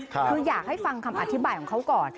คืออยากให้ฟังคำอธิบายของเขาก่อน